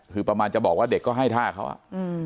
คือประมาณจะบอกว่าเด็กก็ให้ท่าเขาอ่ะอืม